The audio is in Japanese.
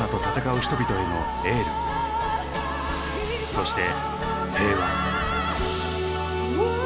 そして平和。